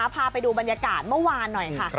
พาไปดูบรรยากาศเมื่อวานหน่อยค่ะ